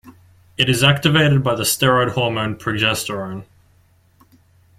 It is activated by the steroid hormone progesterone.